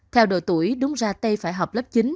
theo đội tuổi đúng ra tê phải học lớp chín